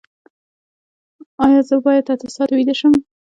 ایا زه باید اته ساعته ویده شم؟